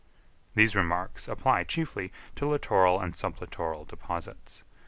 These remarks apply chiefly to littoral and sublittoral deposits.